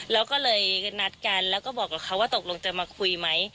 แล้วก็เลยนัดกันแล้วก็บอกกับเขาว่าตกลงจะมาคุยไหม